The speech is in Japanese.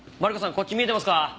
こっち見えてますか？